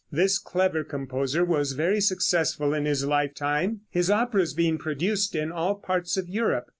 This clever composer was very successful in his lifetime, his operas being produced in all parts of Europe.